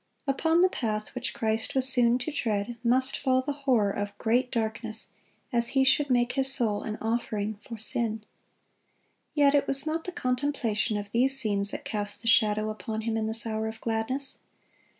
Upon the path which Christ was soon to tread must fall the horror of great darkness as He should make His soul an offering for sin. Yet it was not the contemplation of these scenes that cast the shadow upon Him in this hour of gladness.